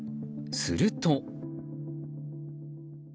すると。